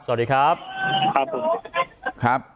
สวัสดีครับ